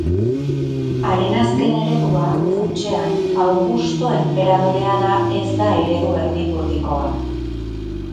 Haren azken eredua, funtsean, Augusto enperadorea da ez da eredu erdipurdikoa.